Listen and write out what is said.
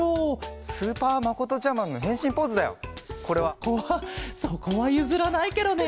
そこはそこはゆずらないケロね。